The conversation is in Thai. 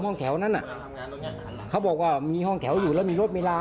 ห้องแถวนั้นน่ะเขาบอกว่ามีห้องแถวอยู่แล้วมีรถเวลา